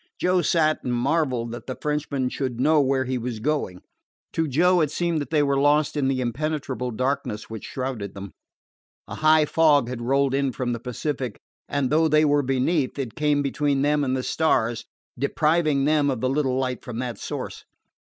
Joe sat and marveled that the Frenchman should know where he was going. To Joe it seemed that they were lost in the impenetrable darkness which shrouded them. A high fog had rolled in from the Pacific, and though they were beneath, it came between them and the stars, depriving them of the little light from that source.